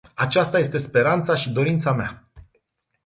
Aceasta este speranța și dorința mea.